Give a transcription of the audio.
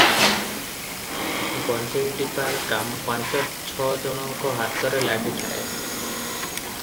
ଗଞ୍ଜେଇଟିପା କାମ ପାଞ୍ଚ ଛ ଜଣଙ୍କ ହାତରେ ଲାଗିଥାଏ ।